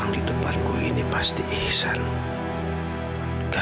nggak sopan banget sih jadi orang